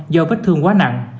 do vết thương quá nặng